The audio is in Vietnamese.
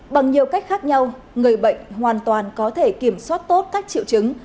bằng nhiều cách khác nhau người bệnh hoàn toàn có thể kiểm soát tốt các triệu chứng